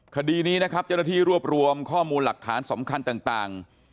คดีนี้นะครับเจ้าหน้าที่รวบรวมข้อมูลหลักฐานสำคัญต่าง